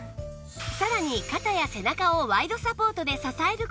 さらに肩や背中をワイドサポートで支える事で